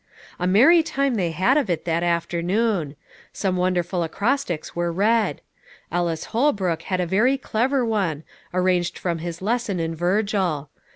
A merry time they had of it that afternoon. Some wonderful acrostics were read. Ellis Holbrook had a very clever one, arranged from his lesson in Virgil.